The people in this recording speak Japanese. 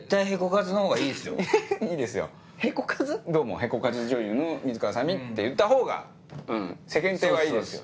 「どうも屁こかず女優の水川あさみ」って言ったほうが世間体はいいですよ。